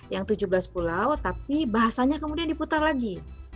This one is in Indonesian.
yang tujuh belas pulau tapi bahasanya kemudian diputar lagi